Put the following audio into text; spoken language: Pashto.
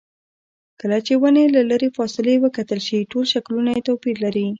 کله چې ونې له لرې فاصلې وکتل شي ټول شکلونه یې توپیر لري.